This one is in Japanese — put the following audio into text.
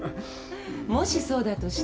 もしそうだとしたら。